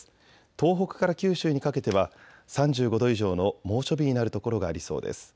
東北から九州にかけては３５度以上の猛暑日になる所がありそうです。